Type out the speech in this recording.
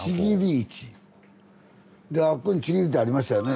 あっこにちぎりってありましたよね。